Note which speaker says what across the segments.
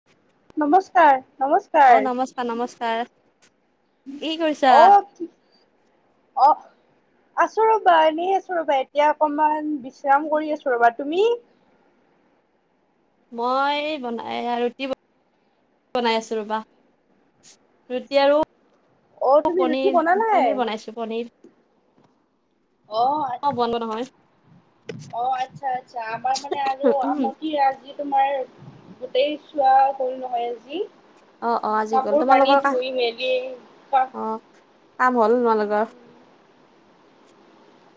Speaker 1: [inaudible]
Speaker 2: নমস্কাৰ নমস্ক
Speaker 1: অহ নমস্কাৰ নমস্কাৰ, কি কৰিছা?
Speaker 2: অ আছো ৰবা এনেই আছো ৰবা, এতিয়া অকমান বিশ্ৰাম কৰি আছো। ৰবা তুমি
Speaker 1: মই বনাই ৰুটি বনাই আছো ৰবা ৰুটি আৰু পনিৰ, পনিৰ বনাইছো পনিৰ
Speaker 2: অহ
Speaker 1: অ বন্ধ নহয়।
Speaker 2: অ আচ্ছা আচ্ছা, আমাৰ মানে আৰু
Speaker 1: উম
Speaker 2: ৰুটি আজি তোমাৰ গোটেই চোৱা হল নহয় আজি
Speaker 1: অহ অহ আজি গল, তোমালোকৰ কা, অ কাম হল তোমালোকৰ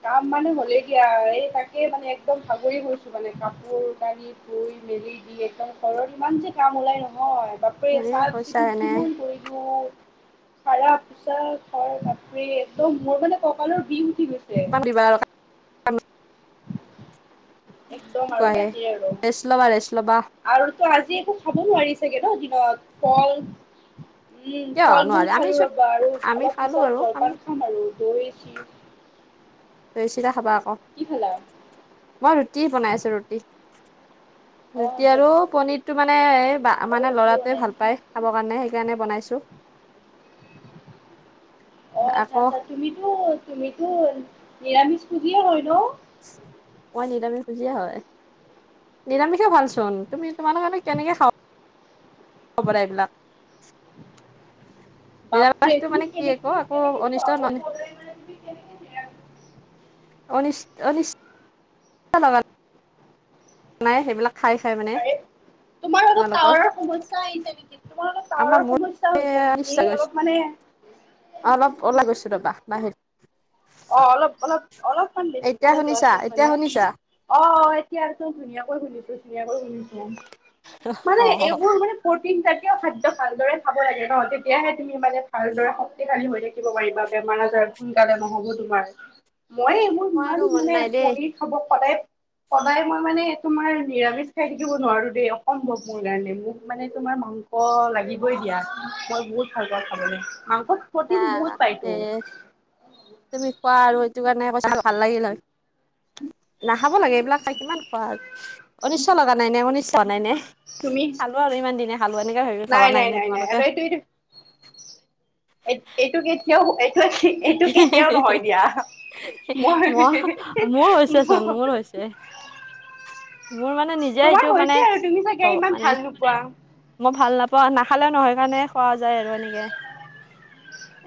Speaker 2: কাম মানে হলেই দিয়া, এই তাকে মানে একদম ভাগৰি গৈছো মানে কাপোৰ কানি ধুই মেলি দি একদম ঘৰত ইমান যে কাম ওলাই নহয়। এহ
Speaker 1: এ
Speaker 2: চাফ-
Speaker 1: কৈছা
Speaker 2: চিকুণ
Speaker 1: এনে
Speaker 2: কিমান কৰিলোঁ। সৰা, পোছা ঘৰ বাপৰে একদম মোৰ মানে কঁকালৰ বিষ উঠি গৈছে।
Speaker 1: [unintelligible]
Speaker 2: একদম আৰু তাকেই আৰু
Speaker 1: ৰেষ্ট ল'বা ৰেষ্ট ল'বা
Speaker 2: আৰু তো আজি একো খাব নোৱাৰি চাগে নহ, দিনত ফল উম,
Speaker 1: কিয়
Speaker 2: ফল-মূল
Speaker 1: নোৱাৰে আমি
Speaker 2: খালোঁ
Speaker 1: চোন
Speaker 2: ৰবা আৰু
Speaker 1: আমি
Speaker 2: অলপ
Speaker 1: খালো বাৰু
Speaker 2: পিছত
Speaker 1: আমি
Speaker 2: জলপান খাম আৰু দৈ, চিৰ
Speaker 1: দৈ, চিৰা খাবা আকৌ।
Speaker 2: কি খালা?
Speaker 1: মই ৰুটি বনাই আছোঁ, ৰুটি। ৰুটি আৰু পনীৰটো মানে এহ বা মানে ল'ৰাটোৱে ভাল পায়, খাবৰ কাৰণে সেইকাৰণে বনাইছোঁ। আকৌ
Speaker 2: তুমিতো, তুমিতো নিৰামিষভোজীয়ে হয় নহ
Speaker 1: মই নিৰামিষভোজীয়ে হয়। নিৰামিষে ভাল চোন, তুমি তোমালোকেনো কেনেকে খাৱ বনাই এইবিলাক
Speaker 2: বাপৰে
Speaker 1: নিৰামিষটো
Speaker 2: তুমি
Speaker 1: মানে কি আকৌ একো
Speaker 2: কেনেকে-কেনেকে
Speaker 1: অনিষ্ট
Speaker 2: খোৱা অ, সদায় মানে তুমি কেনেকে নিৰামিষ
Speaker 1: [unintelligible] নাই সেইবিলাক খাই-খাই মানে
Speaker 2: তোমাৰ আৰু
Speaker 1: তোমালোকৰ
Speaker 2: টাৱাৰৰ সমস্যা আহিছে নেকি? তোমাৰ অলপ
Speaker 1: আমাৰ
Speaker 2: টাৱাৰৰ
Speaker 1: মোৰ
Speaker 2: সমস্যা হৈছে নেকি অলপ মানে
Speaker 1: অ, অলপ ওলাই গৈছো ৰবা বাহিৰত
Speaker 2: অ, অলপ-অলপ অলপমান বেলেগ
Speaker 1: এতিয়া
Speaker 2: ফালে
Speaker 1: শুনিছা
Speaker 2: যোৱাচোন
Speaker 1: এতিয়া
Speaker 2: মানে।
Speaker 1: শুনিছা
Speaker 2: অ, এতিয়াটো ধুনীয়াকৈ শুনিছো-ধুনীয়াকৈ শুনিছো মানে
Speaker 1: অ
Speaker 2: এইবোৰ মানে প্ৰটিনজাতীয়খাদ্য ভালদৰে খাব লাগে ন' তেতিয়াহে তুমি মানে ভালদৰে শক্তিশালী হৈ থাকি থাকিব পাৰিবা বেমাৰ আজাৰ সোনকালে নহব তোমাৰ
Speaker 1: এ
Speaker 2: মই এইবোৰ
Speaker 1: মই আৰু
Speaker 2: ইমান
Speaker 1: মন
Speaker 2: মানে
Speaker 1: নাই দেই
Speaker 2: পনীৰ হ'ব সদায় সদায় মই মানে তোমাৰ নিৰামিষ খাই থাকিব নোৱাৰো দেই অসম্ভৱ মোৰ কাৰণে মোক মানে তোমাৰ মাংস মাংস লাগিবই দিয়া মই বহুত ভাল পাওঁ খাবলে মাংসত প্ৰটিন বহুত
Speaker 1: এ
Speaker 2: পাইতো।
Speaker 1: তুমি কোৱা আৰু এইটো কাৰণে কৈছা ভাল লাগিল হয়। নাখাব লাগে এইবিলাক খাই কিমান খোৱা আৰু অনিচ্ছা লগা নাই নে, অনিচ্ছা হোৱা নাই নে?
Speaker 2: তুমি?
Speaker 1: [unintelligible] ইমানদিনে খালোঁ এনেকে ভাবি ভাবা নাই নে তোমালোকে?
Speaker 2: এইট-এইটো কেতিয়াও এইটোৱে ঠিক এইটো কেতিয়াও নহয় দিয়া
Speaker 1: মই মোৰ
Speaker 2: মই-মই
Speaker 1: হৈছেচোন মোৰ হৈছে মোৰ মানে নিজে এইটো মানে অ, মানে মই ভাল নাপাওঁ নাখালেও নহয় কাৰণে খোৱা যায় আৰু এনেকে।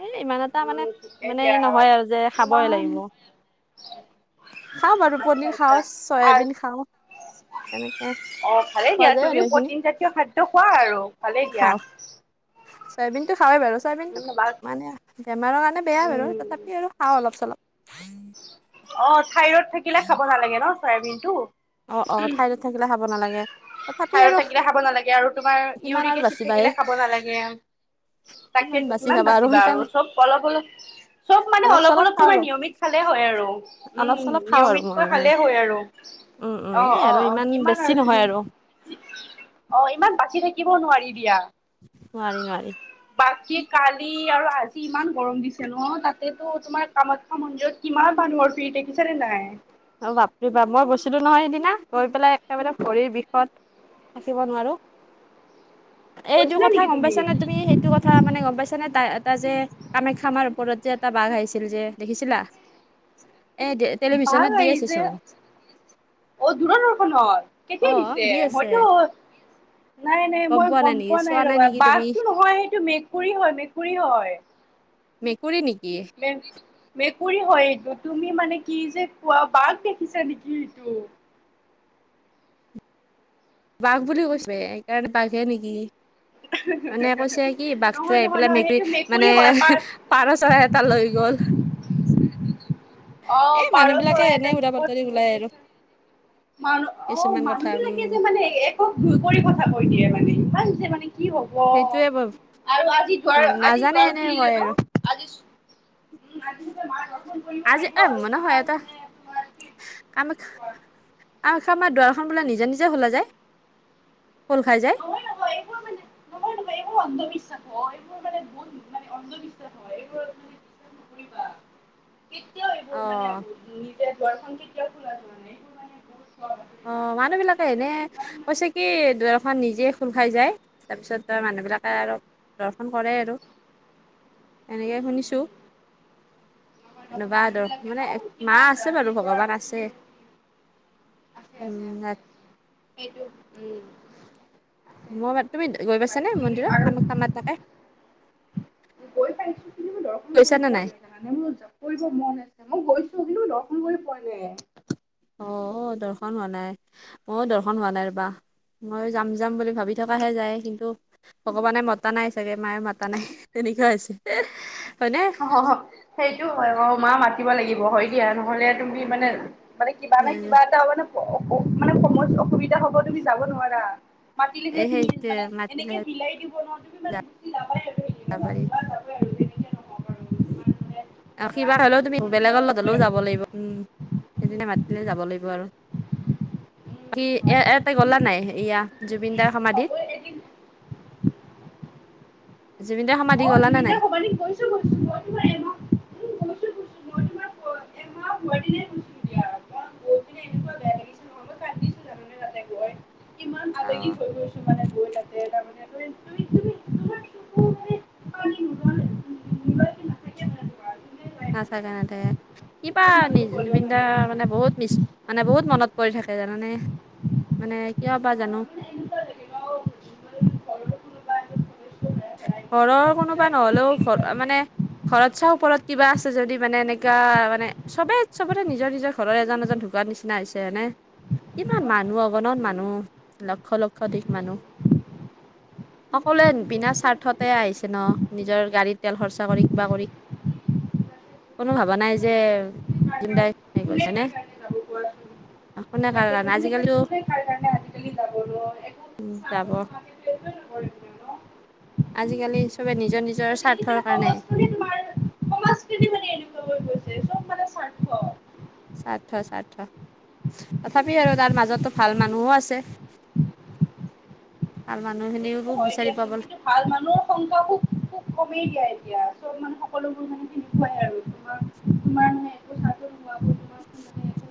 Speaker 1: এই ইমান এটা মানে-মানে নহয় আৰু যে খাবই লাগিব। খাওঁ বাৰু পনীৰ খাওঁ, চয়াবিন খাওঁ। এনেকে
Speaker 2: অ, ভালেই
Speaker 1: খোৱা
Speaker 2: দিয়া
Speaker 1: যায় আৰু
Speaker 2: তুমিও
Speaker 1: এইখিনি
Speaker 2: প্ৰটিনজাতীয় খাদ্য খোৱা আৰু ভালেই দিয়া।
Speaker 1: খাওঁ চয়াবিনটো খাওৱেই বাৰু চয়াবিনটো মানে বেমাৰৰ কাৰণে বেয়া বাৰু তথাপি আৰু খাওঁ অলপ চলপ
Speaker 2: অ, থাইৰইড থাকিলে খাব নালাগে ন, চয়াবিনটো।
Speaker 1: অ অ ঠাইডত থাকিলে খাব নালাগে তথাপি আৰু
Speaker 2: থাইৰইড থাকিলে খাব নালাগে আৰু তোমাৰ
Speaker 1: কিমান আৰু
Speaker 2: ইউৰিক এচিড
Speaker 1: বাচিবা হে
Speaker 2: থাকিলে খাব নালাগে। তাকেটো
Speaker 1: বাচি
Speaker 2: কিমান
Speaker 1: খাবা
Speaker 2: বাচিবা আৰু
Speaker 1: সেইকাৰণে
Speaker 2: চব অলপ- অলপ চব মানে
Speaker 1: অলপ চলপ
Speaker 2: অলপ-অলপ
Speaker 1: খাওঁ আৰু
Speaker 2: তোমাৰ নিয়মিত খালে হয় আৰু
Speaker 1: অলপ
Speaker 2: উম,
Speaker 1: চলপ খাওঁ আৰু
Speaker 2: নিয়মিতকৈ
Speaker 1: মইয়ো সেই
Speaker 2: খালে হয় আৰু।
Speaker 1: উম, উম,
Speaker 2: অ',
Speaker 1: এই আৰু
Speaker 2: অ', অ',
Speaker 1: ইমান
Speaker 2: কিমান
Speaker 1: বেছি
Speaker 2: আৰু
Speaker 1: নহয়
Speaker 2: তুমি অ, ইমান বাচি থাকিবও নোৱাৰি দিয়া।
Speaker 1: নোৱাৰি-নোৱাৰি।
Speaker 2: বাকী কালি আৰু আজি ইমান গৰম দিছে ন, তাতেতো তোমাৰ কামাখ্যা মন্দিৰত কিমান মানুহৰ ভিৰ দেখিছা নে নাই?
Speaker 1: অ, বাপৰি বাপ মই গৈছিলো নহয় সেইদিনা গৈ পেলাই একেবাৰে ভৰিৰ বিষত থাকিব নোৱাৰো এইটো কথা গম পাইছানে তুমি সেই ইটো কথা মানে গম পাইছানে তা-তাই যে কামাখ্যামাৰ ওপৰত যে এটা বাঘ আহিছিল যে দেখিছিলা এ টেলিভিচনত দি আছে চোন।
Speaker 2: অ, দূৰদৰ্শনত কেতিয়া
Speaker 1: অ',
Speaker 2: দিছে
Speaker 1: দি আছে
Speaker 2: মইতো নাই-নাই মই গম পোৱা নাই ৰবা বাঘটো নহয় সেইটো মেকুৰী হয়-মেকুৰী হয়।
Speaker 1: মেকুৰী নেকি?
Speaker 2: মেকুৰী হয় এইটো তুমি মানে কি যে কোৱা বাঘ দেখিছা নেকি এইটো?
Speaker 1: বাঘ বুলি কৈছে সেইকাৰণে বাঘে নেকি। মানে কৈছে কি বাঘটো আহি পেলাই মেকুৰী মানে পাৰো চৰাই এটা লৈ গ'ল। [unintelligible]
Speaker 2: অহ
Speaker 1: এই মানুহ
Speaker 2: পাৰ
Speaker 1: বিলাকে
Speaker 2: চৰাই
Speaker 1: এনে
Speaker 2: এটা
Speaker 1: উৰা বাতৰি
Speaker 2: মুখত
Speaker 1: ওলাই আৰু
Speaker 2: [unintelligible] মানুহ অ
Speaker 1: কিছুমান
Speaker 2: মানুহ
Speaker 1: কথা
Speaker 2: বিলাকে
Speaker 1: উম।
Speaker 2: যে মানে এক [unintelligible] মানে কি হব অ
Speaker 1: সেইটোয়ে
Speaker 2: আৰু আজি দুৱাৰ
Speaker 1: মান
Speaker 2: আজি
Speaker 1: নাজানে
Speaker 2: দুৱাৰ
Speaker 1: এনে
Speaker 2: খুলিলে
Speaker 1: কয়
Speaker 2: ন?
Speaker 1: আৰু
Speaker 2: আজি [unintelligible]
Speaker 1: আজি এ মই নহয় এটা কামাখ্যা কামাখ্য মাৰ দুৱাৰখন বোলে নিজে নিজে খোলা যায়। খোল খাই যায়।
Speaker 2: নহয় নহয় এইবোৰ অন্ধবিশ্বাস হয় এইবোৰ মানে বহুত মানে অন্ধবিশ্বাস হয় এইবোৰ মানে
Speaker 1: [unintelligible]
Speaker 2: কেতিয়াও
Speaker 1: অ
Speaker 2: এইবোৰ মানে নিজে দোৱাৰখন কেতিয়াও খোলা যোৱা নাই মানে এইবোৰ মানে বহুত
Speaker 1: অ মানুহ বিলাকে এনে কৈছে কি দুৱাৰখন নিজে খোল খাই যায় তাৰপিছত তাৰ মানুহবিলাকে আৰু দৰ্শন কৰে আৰু এনেকে শুনিছো। এনেকোৱা ধৰ মানে মা আছে বাৰু ভগৱান আছে। উম
Speaker 2: আছে-আছে-আছে-আছে সেইটো উম।
Speaker 1: মই তুমি গৈ পাইছা নে মন্দিৰত কামাখ্যা মাৰ তাতে?
Speaker 2: গৈ পাইছো কিন্তু মই দৰ্শন
Speaker 1: গৈছা
Speaker 2: কৰি
Speaker 1: নে
Speaker 2: পোৱা নাই জানো মানে মোৰ জপ কৰিব মন আছে। মই গৈছো কিন্তু দৰ্শন কৰি পোৱা নাই।
Speaker 1: অ অ দৰ্শন হোৱা নাই, ময়ো দৰ্শন হোৱা নাই ৰ'বা। মই যাম যাম বুলি ভাবি থকাহে যায় কিন্তু ভগৱানে মতা নাই চাগে মায়ে মাতা নাই তেনেকুৱা হৈছে, হয়নে?
Speaker 2: অ সেইটো হয় বাৰু মা মাতিব লাগিব হয় দিয়া নহ'লে তুমি মানে মানে কিবা নাই কিবা এটা মানে মান সময়ত অসুবিধা হ'ব তুমি যাব নোৱাৰা। মাতিলেহে
Speaker 1: এই
Speaker 2: তুমি
Speaker 1: সেই
Speaker 2: মানে এনেকে
Speaker 1: মাতিলেহে
Speaker 2: মিলাই দিব ন তুমি মানে
Speaker 1: যাব
Speaker 2: গুচি যাবায়ে আৰু
Speaker 1: [inaudible] [inaudible] আৰু কিবা হ'লেও তুমি বেলেগৰ লগত হ'লেও যাব লাগিব উম সেইদিনা মাতিলে যাব লাগিব আৰু। ই ইয়াতে গলা নাই এয়া জুবিন দাৰ সমাধিত? জুবিনে দাৰ সমাধি গ'লা নে নাই?
Speaker 2: [unintelligible]
Speaker 1: অ।
Speaker 2: [inaudible]
Speaker 1: [unintelligible] কিবা জুবিন দা মানে বহুত মিছ মানে বহুত মনত পৰি থাকে জানানে। মানে কিয় বা জানো
Speaker 2: [unintelligible]
Speaker 1: ঘৰৰ কোনোবা নহ'লেও ঘ মানে ঘৰত চাওঁ ওপৰত কিবা আছে যদি মানে এনেকা মানে চবেই চবতে নিজৰ নিজৰ ঘৰৰ এজন এজন ঢুকুৱাৰ নিচিনা হৈছে হয়নে? ইমান মানুহ অগণন মানুহ লক্ষ্য লক্ষ্য অধিক মানুহ। সকলোৱে বিনা- স্বাৰ্থতে আহিছে ন' নিজৰ গাড়ীৰ তেল খৰচা কৰি কিবা কৰি। কোনো ভবা নাই যে জুবিনদাই হেৰি কৰিছেনে। [unintelligible] আজিকালিও [unintelligible] যাব।
Speaker 2: [unintelligible]
Speaker 1: আজিকালি চবে নিজৰ নিজৰ স্বাৰ্থৰ কাৰণে। স্বাৰ্থ স্বাৰ্থ। তথাপি আৰু তাৰ মাজতো ভাল মানুহো আছে। ভাল মানুহখিনিওকো বিচাৰি পাব
Speaker 2: ভাল মানুহ সংগ খুব খুব কমেই দিয়া এতিয়া চ'ব মানে সকলোবোৰ মানে তেনেকুৱাই আৰু তোমাৰ- তোমাৰ মানে -
Speaker 1: [unintelligible]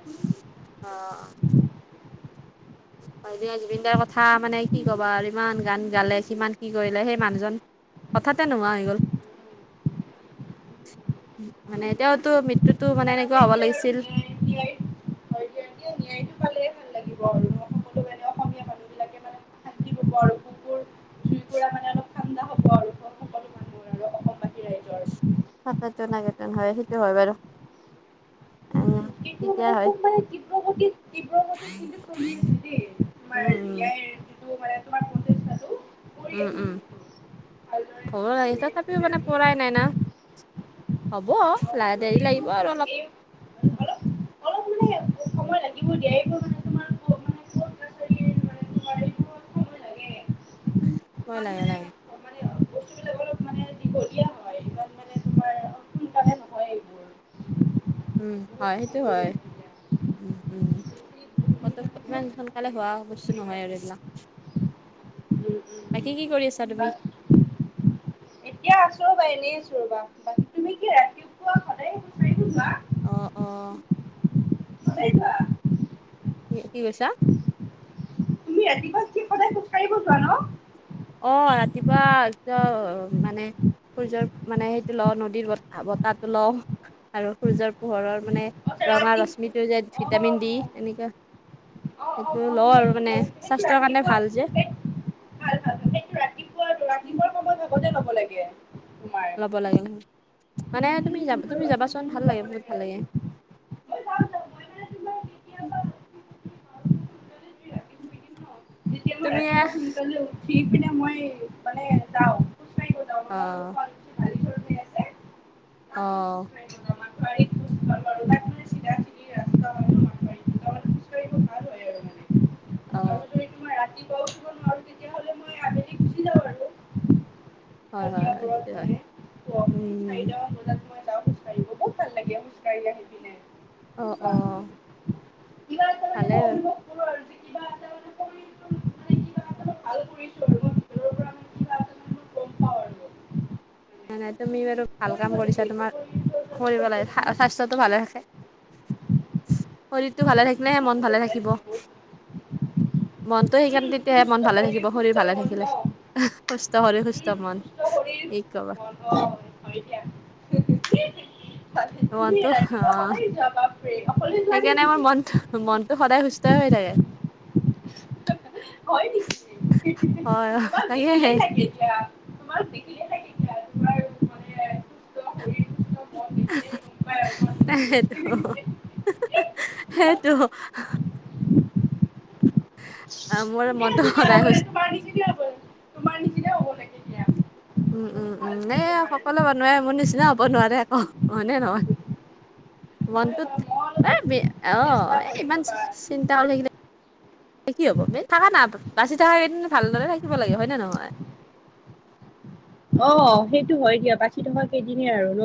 Speaker 1: অঁ। হয় দিয়া। জুবিন দাৰ কথা মানে কি কবা আৰু ইমান গান গালে কিমান কি কৰিলে সেই মানুহজন- হঠাতে নোহোৱা হৈ গ'ল। মানে তেওঁৰতো মৃত্যুটো মানে এনেকুৱা হ'ব লাগিছিল- [unintelligible] হয় সেইটো হয় বাৰু। উম,
Speaker 2: [unintelligible]
Speaker 1: তেতিয়া
Speaker 2: মানে
Speaker 1: হয়
Speaker 2: খুব মানে তীব্ৰ গতি- ত তীব্ৰ গতিত কিন্তু চলি আছে দেই তোমাৰ
Speaker 1: উম উম
Speaker 2: ন্যায়- টো মানে তোমাৰ [unintelligible]
Speaker 1: উমঁ' উমঁ' [unintelligible] আহি তথাপিও মানে পৰাই নাই না। হ'ব লাহে দেৰি লাগিব আৰু অলপ।
Speaker 2: [unintelligible]
Speaker 1: হয় লাগে লাগে। উমঁ' হয়, সেইটো হয়, উমঁ' উমঁ'। ইমান সোনকালে হোৱা বস্তু নহয় আৰু এইবিলাক। বাকী কি কৰি আছা তুমি?
Speaker 2: এতিয়া আছো ৰবা এনেই আছো ৰবা। বাকী তুমি কি ৰাতিপুৱা সদায়ে খোজকাঢ়িব যোৱা?
Speaker 1: অঁ অঁ।
Speaker 2: সদাই যোৱা?
Speaker 1: কি কি কৈছা?
Speaker 2: তুমি ৰাতিপুৱা কি সদায় খোজকাঢ়িব- যোৱা ন?
Speaker 1: অঁ' ৰাতিপুৱা একদম মানে- সূৰ্যৰ মানে সেইটো লওঁ নদীৰ বতাহ বতাহটো লওঁ। আৰু সূৰ্যৰ পোহৰৰ মানে ৰঙা ৰশ্মিটো যে ভিটামিন দি এনেকুৱা। সেইটো লওঁ আৰু মানে স্বাস্থ্যৰ কাৰণে ভাল যে। উম।
Speaker 2: [unintelligible] ল'ব লাগে।
Speaker 1: ল'ব লাগে উম, মানে তুমি যাবা তুমি যাবাচোন ভাল লাগে বহুত ভাল লাগে। তুমি-
Speaker 2: [unintelligible] মই-
Speaker 1: অঁ। অঁ। অঁ।
Speaker 2: তো মই ৰাতিপোৱা উঠিব নোৱাৰো, তেতিয়াহলে মই আবেলি গুচি যাওঁ আৰু
Speaker 1: হয়, হয়, হয়, তে হয়, উম। অ', অ'। ভালে। [unintelligible]
Speaker 2: [unintelligible]
Speaker 1: নাই নাই, তুমি বাৰু ভাল কাম কৰিছা, তোমাৰ কৰিব লাগে, চা স্বাস্থ্যটো ভালে থাকে। শৰীৰটো ভালে থাকিলেহে, মন ভালে থাকিব। মনটো সেইকাৰণে, তেতিয়াহে মন ভালে থাকিব শৰীৰ ভালে থাকিলে। সুস্থ শৰীৰ সুস্থ মন। কৱা।
Speaker 2: [unintelligible] হয়তিয়া
Speaker 1: মনটো হ অ'
Speaker 2: [unintelligible] অকলে
Speaker 1: সেইকাৰণে মোৰ মনটো, মনটো সদায় সুস্থ হৈ থাকে।
Speaker 2: হয় নেকি,
Speaker 1: হয় অ'
Speaker 2: তোমাক
Speaker 1: তাকেহে
Speaker 2: দেখিলেই লাগে। তোমাক দেখিলেই লাগে।
Speaker 1: সেইটো, সেইটো। আ, মোৰ মনটো সদায় সুস্
Speaker 2: পানী কেতিয়া পৰি
Speaker 1: উম, উম, উম, এ, সকলোৱে বনোৱাই মোৰ নিচিনা হ'ব নোৱাৰে আকৌ, হয় নে নহয়? মনটোত এই বে অ', এই ইমান চিন্তা কৰিল থাকে কি হ'ব, বে থাকা না, বাচি থকা কেইদিন ভালদৰে থাকিব লাগে, হয়নে নহয়?
Speaker 2: অ', সেইটো হয় দিয়া, বাচি থকা কেইদিনেই আৰু ন।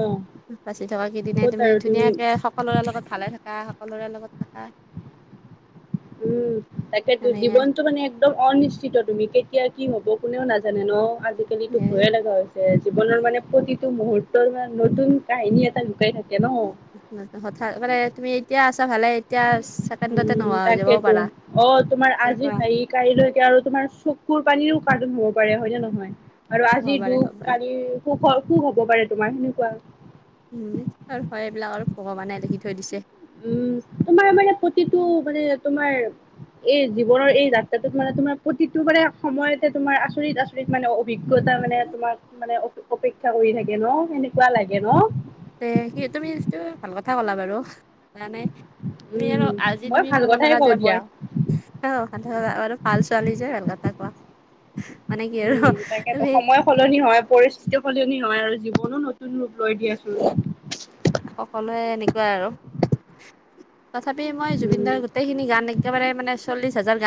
Speaker 1: বাচি থকা কেইদিনেই
Speaker 2: ক'ত
Speaker 1: তুমি
Speaker 2: আৰু
Speaker 1: ধুনীয়াকে সকলোৰে লগত ভালে থাকা, সকলোৰে লগত থাকা।
Speaker 2: উম তাকেতো
Speaker 1: এনেকে
Speaker 2: জীৱনটো মানে একদম অনিশ্চিত, তুমি কেতিয়া কি হ'ব কোনেও নাজানে ন, আজিকালিতো
Speaker 1: এ
Speaker 2: ভয়ে লগা হৈছ যে জীৱনৰ মানে প্ৰতিটো মুহুৰ্তৰ মানে নতুন কাহিনী এটা লুকাই থাকে ন।
Speaker 1: [unintelligible] হঠাৎ মানে তুমি এতিয়া আছা ভালে এতিয়া চা
Speaker 2: উম, তাকেইতো অ', তোমাৰ আজি
Speaker 1: এনেকুৱা
Speaker 2: ভাই কালিলৈকে আৰু তোমাৰ চকুৰ পানীৰো কাৰন হব পাৰে, হয় নে নহয়। আৰু
Speaker 1: হ'ব
Speaker 2: আজিৰ
Speaker 1: পাৰে
Speaker 2: দুখ,
Speaker 1: হ'ব পাৰে
Speaker 2: কালিৰ সুখ সুখ হব পাৰে, তোমাৰ সেনেকুৱা আৰু।
Speaker 1: উম আৰু হয় এইবিলাক আৰু ভগৱানে লিখি থৈ দিছে।
Speaker 2: উম, তোমাৰ মানে, প্ৰতিটো মানে তোমাৰ এই জীৱনৰ এই যাত্ৰাটোত মানে তোমাৰ প্ৰতিটো বাৰে সময়তে তোমাৰ আচৰিত আ চৰিত মানে, অভিজ্ঞতা মানে, তোমাক মানে, অপ-অপেক্ষা কৰি থাকে ন, সেনেকুৱা লাগে ন।
Speaker 1: তে সেইটো মিনছটো ভাল কথা ক'লা বাৰু, মানে তুমি আৰু
Speaker 2: উম
Speaker 1: আজি
Speaker 2: মই
Speaker 1: তুমি
Speaker 2: ভাল
Speaker 1: ক'ব
Speaker 2: কথাই
Speaker 1: নোৰা যে
Speaker 2: কওঁ দিয়া
Speaker 1: বয় অ', [unintelligible] বাৰু ভাল ছোৱালী যে ভাল কথা কোৱা, মানে কি আৰু তুমি
Speaker 2: সলনি হয়, পৰিস্থিতিও সলনি হয় আৰু জীৱনো নতুন ৰূপ লৈ দি আছো।
Speaker 1: আকৌ কলে এনেকুৱা আৰু। তথাপি মই
Speaker 2: উম
Speaker 1: জুবিনদাৰ গোটেইখিনি গান একেবাৰে মানে চল্লিশ হাজাৰ গান